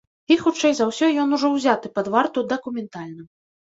І хутчэй за ўсё ён ужо ўзяты пад варту дакументальна.